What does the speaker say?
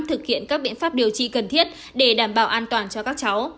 thực hiện các biện pháp điều trị cần thiết để đảm bảo an toàn cho các cháu